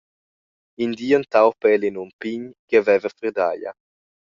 In di entaupa el in um pign che haveva ferdaglia.